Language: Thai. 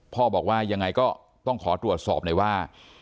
พ่อบอกว่ายังไงก็ต้องขอตรวจสอบหน่อยว่า